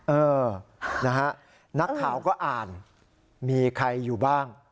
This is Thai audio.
เออนะฮะนักข่าวก็อ่านมีใครอยู่บ้าง